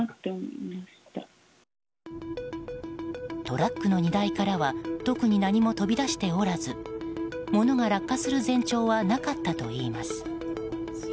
トラックの荷台からは特に何も飛び出しておらず物が落下する前兆はなかったといいます。